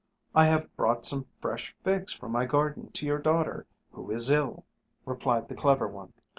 "I have brought some fresh figs from my garden to your daughter who is ill," replied the clever one.